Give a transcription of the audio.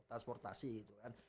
transportasi itu kan